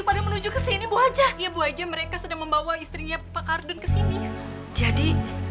pada menuju kesini wajah ibu aja mereka sedang membawa istrinya pak arden kesini jadi